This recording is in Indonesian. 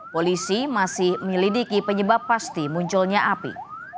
polisi masih menyelidiki penyebab pasti munculnya api